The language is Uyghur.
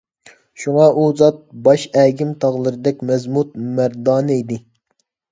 شۇڭا ئۇ زات ، باش ئەگىم تاغلىرىدەك مەزمۇت - مەردانە ئىدى .